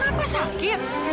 kamu kenapa sakit